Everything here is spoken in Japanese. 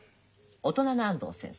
大人の安藤先生。